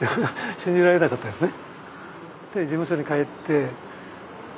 信じられなかったですね。